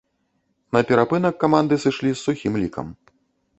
На перапынак каманды сышлі з сухім лікам.